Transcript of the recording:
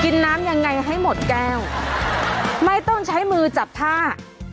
น้ำยังไงให้หมดแก้วไม่ต้องใช้มือจับผ้า